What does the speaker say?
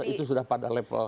itu sudah pada level